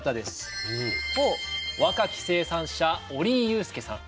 若き生産者折井祐介さん。